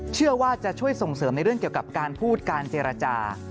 เชื่อว่าจะช่วยส่งเสริมในเรื่องเกี่ยวกับการพูดการเจรจา